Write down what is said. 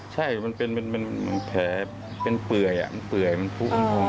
ใช่มันเป็นแผลเปื่อยเปื่อยผู้พร้อม